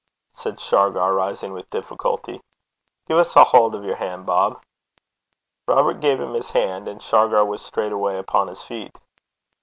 said Shargar, rising with difficulty. 'Gie 's a haud o' yer han', Bob.' Robert gave him his hand, and Shargar was straightway upon his feet.